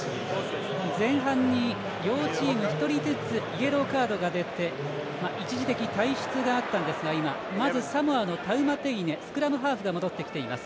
前半に両チーム１人ずつイエローカードが出て一時的退出があったんですがまずサモアのタウマテイネスクラムハーフが戻ってきています。